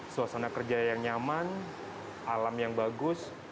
suasana kerja yang nyaman alam yang bagus